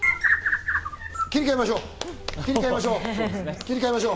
切り替えましょう！